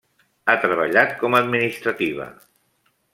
Ha treballat com a administrativa.